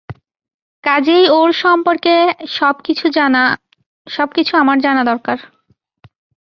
কাজেই ওর সম্পর্কে সব কিছু আমার জানা দরকার।